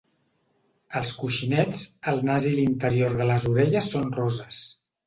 Els coixinets, el nas i l'interior de les orelles són roses.